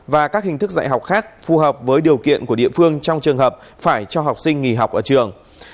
và các hình thức dạy học khác phù hợp với điều kiện của địa phương trong trường hợp phải cho học sinh nghỉ học ở trường